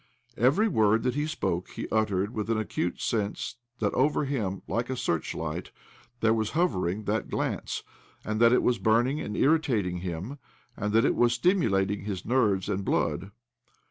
Every word that he spoke he uttered with an acute sense that over him, like a searchlight, there was hovering that glance, and that it was burning and irritating him, and that it was stimu lating his nerves and blood.